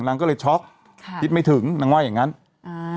นางก็เลยช็อกค่ะคิดไม่ถึงนางว่าอย่างงั้นอ่า